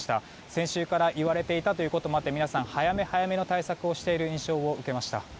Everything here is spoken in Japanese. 先週から言われていたということもあって皆さん、早め早めの対策をしている印象がありました。